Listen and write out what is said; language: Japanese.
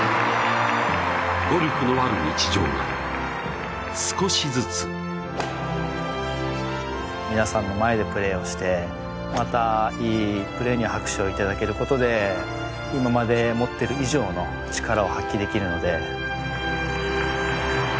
ゴルフのある日常が少しずつ◆皆さんの前でプレーして、またいいプレーに拍手をいただけることで今まで持っている以上の力を発揮できるので。